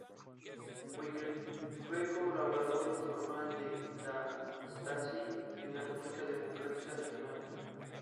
Weigel fue colaborador informal de la Stasi en la República Democrática Alemana.